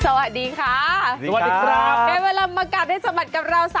สวัสดีค่ะผู้เกิดมากับมันการได้สมัครของเรา๓